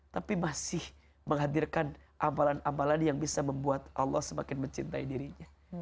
tapi masih menghadirkan amalan amalan yang bisa membuat allah semakin mencintai dirinya